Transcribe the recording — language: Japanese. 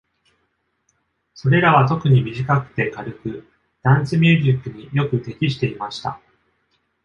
それらは特に短くて軽く、ダンスミュージックによく適していました。